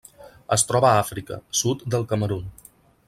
Es troba a Àfrica: sud del Camerun.